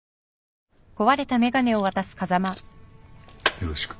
よろしく。